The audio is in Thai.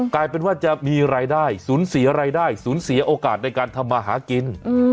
กลายเป็นว่าจะมีรายได้สูญเสียรายได้สูญเสียโอกาสในการทำมาหากิน